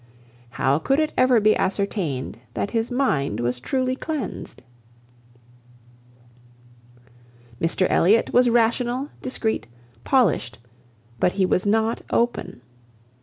How could it ever be ascertained that his mind was truly cleansed? Mr Elliot was rational, discreet, polished, but he was not open.